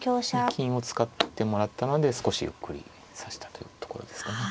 金を使ってもらったので少しゆっくり指したというところですかね。